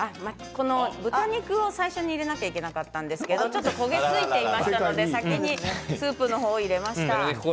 この豚肉を最初に入れなきゃいけなかったんですけどちょっと焦げ付いていましたので先にスープの方を入れました。